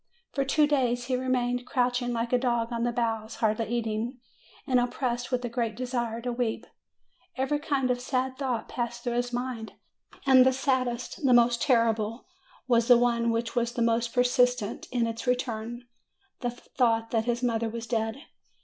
For two days he remained crouching like a dog on the bows, hardly eating, and oppressed with a great de sire to weep. Every kind of sad thought passed through his mind, and the saddest, the most terrible, was the one which was the most persistent in its return, the thought that his mother was dead.